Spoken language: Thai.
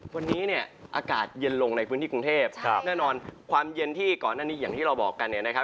วันนี้เนี่ยอากาศเย็นลงในพื้นที่กรุงเทพแน่นอนความเย็นที่ก่อนหน้านี้อย่างที่เราบอกกันเนี่ยนะครับ